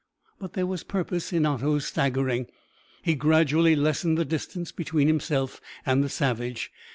But there was purpose in Otto's staggering. He gradually lessened the distance between himself and the savage.